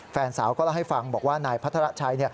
แฟนสาวก็เล่าให้ฟังบอกว่านายพัทรชัย